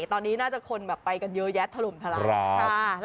ตอนนี้น่าจะคนแบบไปกันเยอะแยะถล่มทลาย